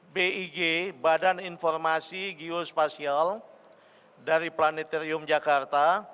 big badan informasi geospasial dari planetarium jakarta